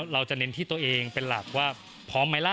เราจะเน้นที่ตัวเองเป็นหลักว่าพร้อมไหมล่ะ